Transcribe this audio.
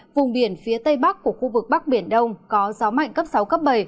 vùng biển phía tây bắc của khu vực bắc biển đông có gió mạnh cấp sáu cấp bảy